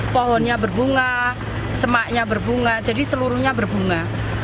pohonnya berbunga semaknya berbunga jadi seluruhnya berbunga